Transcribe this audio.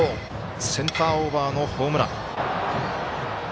センターオーバーのホームラン。